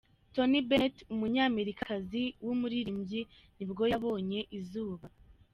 Tony Bennet, umunyamerikakazi w’umuririmbyi nibwo yabonye izuba.